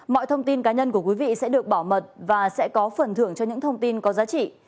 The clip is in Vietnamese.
mọi thông tin cá nhân của quý vị sẽ được bảo mật và sẽ có phần thưởng cho những thông tin có giá trị